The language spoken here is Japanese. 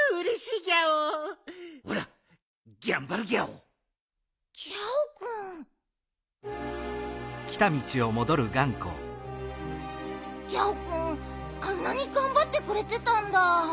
ギャオくんあんなにがんばってくれてたんだ。